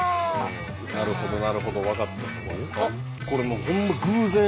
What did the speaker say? なるほどなるほど分かった。